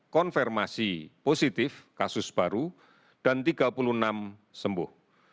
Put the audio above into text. konfirmasi positif kasus baru dan tiga puluh enam sembuh